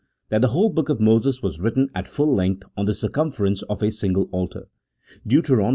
That the whole book of Moses was written at full length on the circumference of a single altar (Deut.